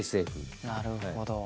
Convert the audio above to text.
なるほど。